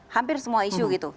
hampir semua isu gitu